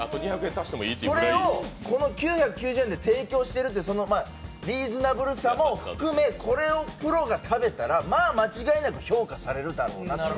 それを９９０円で提供しているというリーズナブルさも含め、これをプロが食べたらまあ間違いなく評価されるだろうなと。